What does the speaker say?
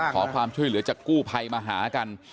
ขอความช่วยเหลือจากกู้ภัยมาหากัน